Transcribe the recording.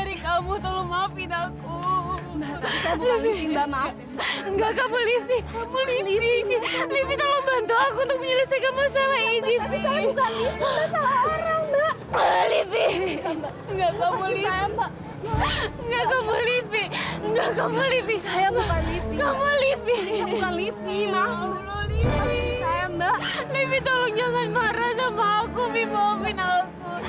livi tolong jangan marah sama aku minta maafin aku